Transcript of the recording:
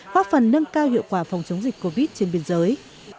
góp phần nâng cao hiệu quả phòng chống dịch covid trên biên giới